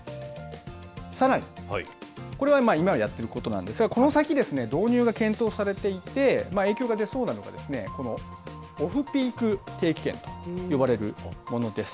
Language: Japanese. さらに、これは今やってることなんですが、この先、導入が検討されていて、影響が出そうなのが、このオフピーク定期券と呼ばれるものです。